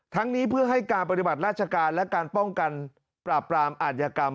นี้เพื่อให้การปฏิบัติราชการและการป้องกันปราบปรามอาธิกรรม